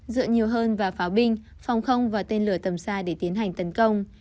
dựa nhiều hơn vào pháo binh phòng không và tên lửa tầm xa để tiến hành tấn công